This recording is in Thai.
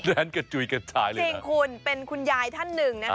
แดนกระจุยกระจายเลยจริงคุณเป็นคุณยายท่านหนึ่งนะคะ